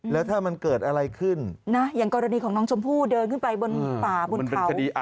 แล้วถ้ามันเกิดอะไรขึ้นนะอย่างกรณีของน้องชมพู่เดินขึ้นไปบนป่าบนเขา